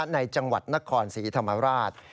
ในจังหวัดนครศรีธรรมราช